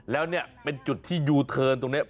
แล้วเนี่ยเป็นจุดที่ยูเทิร์นตรงนี้